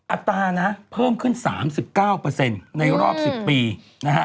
อัตรานะเพิ่มขึ้น๓๙ในรอบ๑๐ปีนะฮะ